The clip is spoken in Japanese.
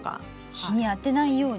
日にあてないように。